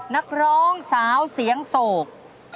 นักร้องสาวเสียงโศก